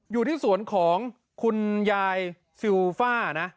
อยู่ที่สวนของคุณยายซิลฟ่านะ